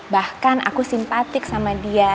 bahkan aku simpatik sama dia